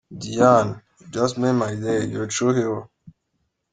Diane, you just made my day, you are a true heroe!